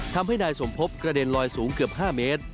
ทำให้นายสมพบกระเด็นลอยสูงเกือบ๕เมตร